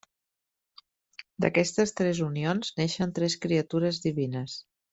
D'aquestes tres unions neixen tres criatures divines.